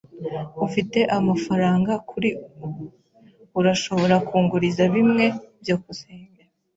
Ufite amafaranga kuri ubu? Urashobora kunguriza bimwe? byukusenge